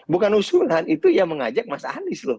bukan usulan itu yang mengajak mas anies loh